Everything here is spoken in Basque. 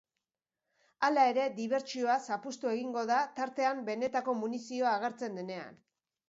Hala ere, dibertsioa zapuztu egingo da tartean benetako munizioa agertzen denean.